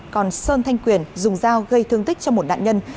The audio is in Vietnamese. còn sơn thanh quyền dùng dao gây thương tích cho một nạn nhân